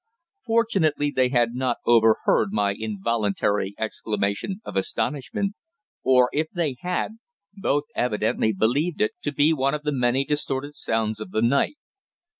Fortunately they had not overheard my involuntary exclamation of astonishment, or, if they had, both evidently believed it to be one of the many distorted sounds of the night.